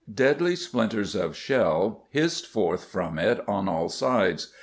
Deadly splinters of shell hissed forth from it on all sides.